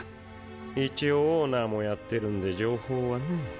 一応オーナーもやってるんで情報はね。